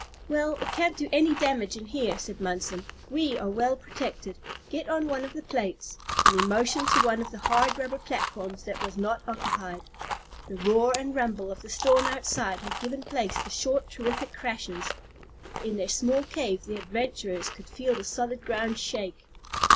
"Well, it can't do any damage in here," said Munson. "We are well protected. Get on one of the plates," and he motioned to one of the hard rubber platforms that was not occupied. The roar and rumble of the storm outside had given place to short terrific crashes. In their small cave the adventurers could feel the solid ground shake.